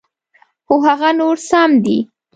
خو هغه نور سم دي.